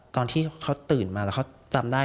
ตอนที่เขาตื่นมาแล้วเขาจำได้